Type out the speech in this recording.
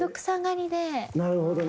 なるほどね。